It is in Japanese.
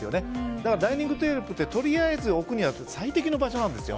だからダイニングテーブルってとりあえず置くのに最適な場所なんですよ。